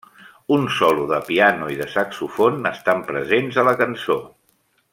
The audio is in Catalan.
Un solo de piano i de saxòfon estan presents a la cançó.